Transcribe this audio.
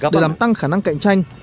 để làm tăng khả năng cạnh tranh